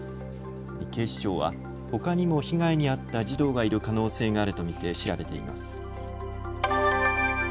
警視庁はほかにも被害に遭った児童がいる可能性があると見て調べています。